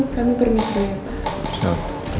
kami permisi ya